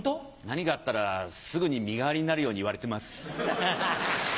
何かあったらすぐに身代わりになるように言われてます。